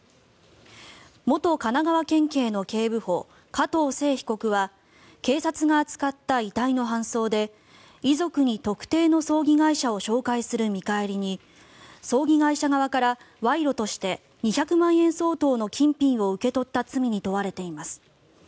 元神奈川県警の警部補加藤聖被告は警察が扱った遺体の搬送で遺族に特定の葬儀会社を紹介する見返りに葬儀会社側から賄賂として２００万円相当の金品を受け取った罪に問われています。